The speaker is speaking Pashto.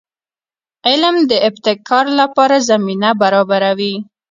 علم د ابتکار لپاره زمینه برابروي.